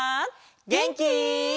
げんき？